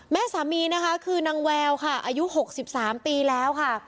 แม่สามีนะคะคือนางแววค่ะอายุ๖๓ปีแล้วค่ะ